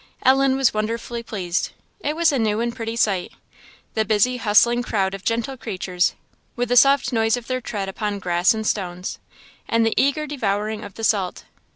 Ellen was wonderfully pleased. It was a new and pretty sight, the busy hustling crowd of gentle creatures, with the soft noise of their tread upon grass and stones, and the eager devouring of the salt.